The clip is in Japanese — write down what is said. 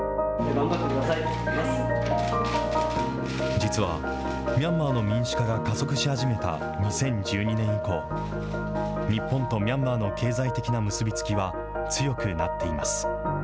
実は、ミャンマーの民主化が加速し始めた２０１２年以降、日本とミャンマーの経済的な結び付きは強くなっています。